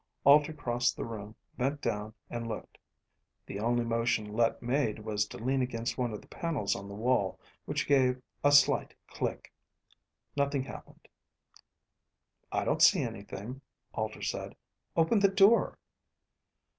Alter crossed the room, bent down, and looked. The only motion Let made was to lean against one of the panels on the wall, which gave a slight click. Nothing happened. "I don't see anything," Alter said. "Open the door."